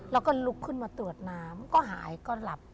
แล้วก็ลุกขึ้นมาตรวจน้ำก็หายก็หลับ